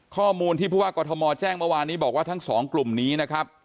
ข้อมูลที่ผู้ว่ากรทมแจ้งเมื่อวานนี้บอกว่าทั้งสองกลุ่มนี้นะครับ